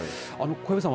小藪さん